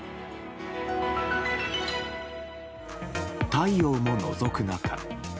太陽ものぞく中。